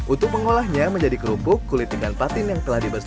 untuk mengolahnya menjadi kerupuk kulit ikan patin yang telah dibesar